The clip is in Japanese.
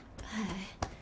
はい。